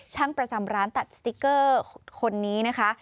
ช่างประจำร้านตัดสติ๊กเกอร์คนนี้นะคะ